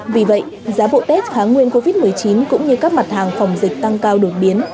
vì vậy giá bộ tết kháng nguyên covid một mươi chín cũng như các mặt hàng phòng dịch tăng cao đột biến